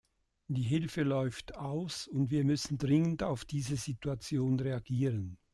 Die Hilfe läuft aus, und wir müssen dringend auf diese Situation reagieren.